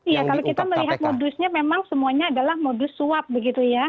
iya kalau kita melihat modusnya memang semuanya adalah modus suap begitu ya